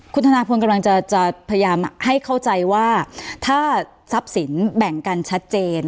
คุณธนาพลกำลังจะพยายามให้เข้าใจว่าถ้าทรัพย์สินแบ่งกันชัดเจน